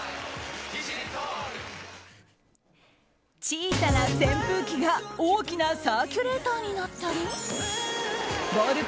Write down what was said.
小さな扇風機が大きなサーキュレーターになったりボール